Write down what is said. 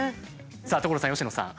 さあ所さん佳乃さん。